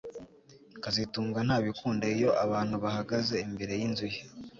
kazitunga ntabikunda iyo abantu bahagaze imbere yinzu ye